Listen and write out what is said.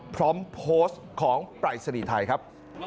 พร้อมโพสต์ของปรายศนีย์ไทยครับ